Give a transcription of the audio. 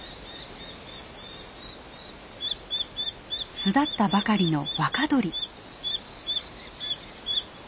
巣立ったばかりの若鳥。